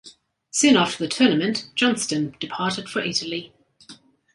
Soon after the tournament Johnstone departed for Italy.